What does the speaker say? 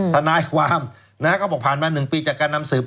ทนายความก็บอกผ่านมา๑ปีจากการนำสืบ